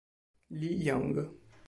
Li Yong